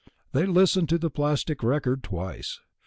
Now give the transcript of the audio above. They listened to the plastic record twice.